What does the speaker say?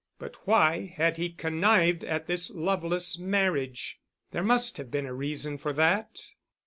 But why had he connived at this loveless marriage? There must have been a reason for that.